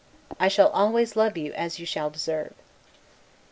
I shall always love you as you shall deserve.